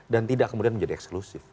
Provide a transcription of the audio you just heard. dan tidak kemudian menjadi eksklusif